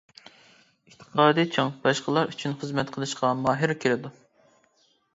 ئېتىقادى چىڭ، باشقىلار ئۈچۈن خىزمەت قىلىشقا ماھىر كېلىدۇ.